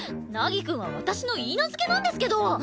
凪くんは私の許嫁なんですけど！